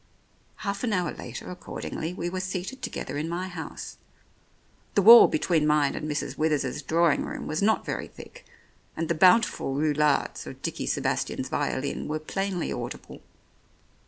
Half an hour later, accordingly, we were seated together in my house. The wall between mine and Mrs. Withers's drawing room was not very thick, and the bountiful roulades of Dickie Sebastian's violin were plainly audible.